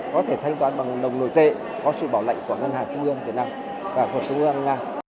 có thể thanh toán bằng đồng nội tệ có sự bảo lãnh của ngân hàng trung ương việt nam và của trung ương nga